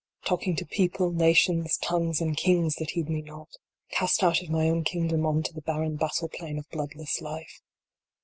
Talking to people, nations, tongues, and kings that heed me not Cast out of my own kingdom on to the barren battle plain of bloodless life.